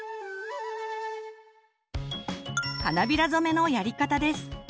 花びら染めのやり方です。